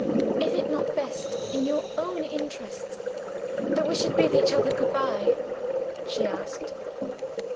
"Is it not best, in your own interests, that we should bid each other good by?" she asked.